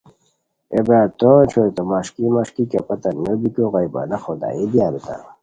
ای برار تونج ہوئے تو مݰکی مݰکی کیہ پتہ نو بیکو غائبانہ خدائیو دی ارتام